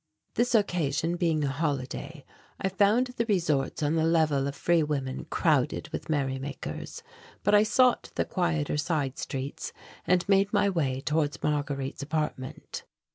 This occasion being a holiday, I found the resorts on the Level of Free Women crowded with merrymakers. But I sought the quieter side streets and made my way towards Marguerite's apartment.